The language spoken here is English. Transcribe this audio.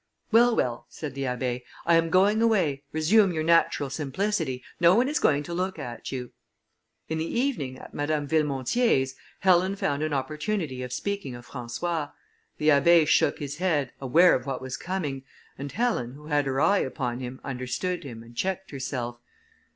"Well! well!" said the Abbé, "I am going away, resume your natural simplicity, no one is going to look at you." In the evening, at Madame Villemontier's, Helen found an opportunity of speaking of François. The Abbé shook his head, aware of what was coming; and Helen, who had her eye upon him, understood him, and checked herself.